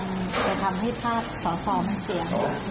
แต่ว่าอยู่พรักเจอกันจะทำให้ภาพสอเหมาะเสีย